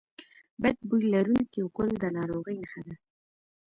بد بوی لرونکی غول د ناروغۍ نښه ده.